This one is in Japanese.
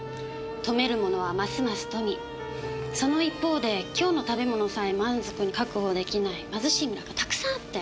富める者は益々富みその一方で今日の食べ物さえ満足に確保出来ない貧しい村がたくさんあって。